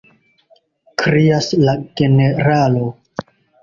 krias la generalo.